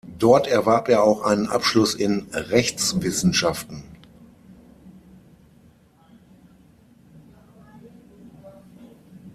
Dort erwarb er auch einen Abschluss in Rechtswissenschaften.